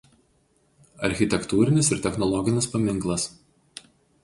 Architektūrinis ir technologinis paminklas.